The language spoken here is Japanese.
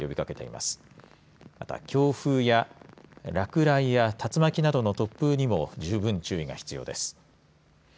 また、強風や落雷や竜巻などの突風にも十分注意が必要です。